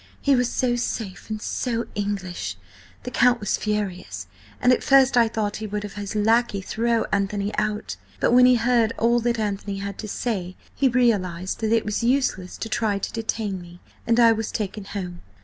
He was so safe, and so English! The Count was furious, and at first I thought he would have his lackeys throw Anthony out. But when he heard all that Anthony had to say, he realised that it was useless to try to detain me–and I was taken home.